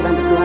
tapi dia itu